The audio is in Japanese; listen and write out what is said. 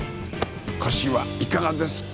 腰はいかがですか？